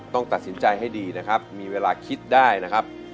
ต้องตัดสินใจให้ดีนะครับมีเวลาคิดได้นะครับ